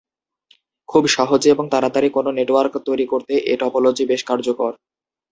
খুব সহজে এবং তাড়াতাড়ি কোনো নেটওয়ার্ক তৈরি করতে এ টপোলজি বেশ কার্যকর।